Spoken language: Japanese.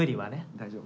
大丈夫？